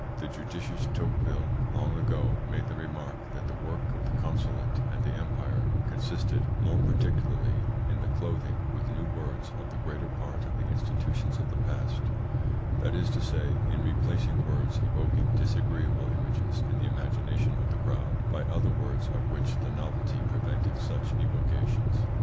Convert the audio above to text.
The judicious Tocqueville long ago made the remark that the work of the consulate and the empire consisted more particularly in the clothing with new words of the greater part of the institutions of the past that is to say, in replacing words evoking disagreeable images in the imagination of the crowd by other words of which the novelty prevented such evocations.